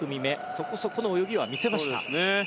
そこそこの泳ぎは見せました。